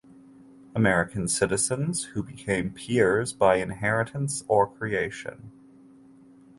American citizens who became peers by inheritance or creation.